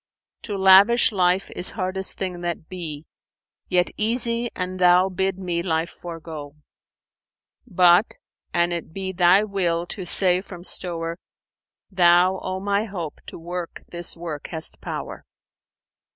To lavish life is hardest thing that be, * Yet easy an Thou bid me life forego; But, an it be Thy will to save from stowre, * Thou, O my Hope, to work this work hast power!'"